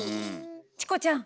チコちゃん！